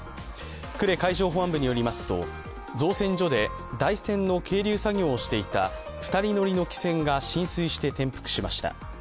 呉海上保安部によりますと、造船所で台船の係留作業をしていた２人乗りの汽船が浸水して転覆しました。